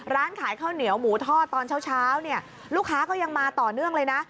ร้านขายข้าวเหนียวหมูทอดตอนเช้าเนี่ยลูกค้าก็ยังมาต่อเนื่องเลยนะ